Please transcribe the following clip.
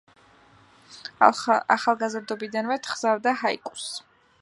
ახალგაზრდობიდანვე თხზავდა ჰაიკუს.